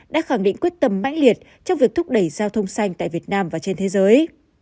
đã khẳng định quyết tâm mãnh liệt trong việc thúc đẩy giao thông xanh tại việt nam và trên thế giới